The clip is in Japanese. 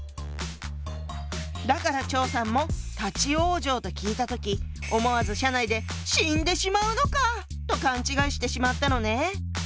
だから趙さんも「立往生」と聞いた時思わず車内で死んでしまうのか⁉と勘違いしてしまったのね。